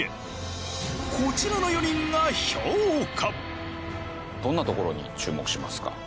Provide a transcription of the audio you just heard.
こちらの４人が評価。